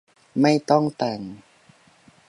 ไม่ต้องแต่ง